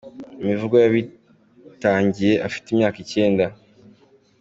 imivugo yabitangiye Afite imyaka icyenda.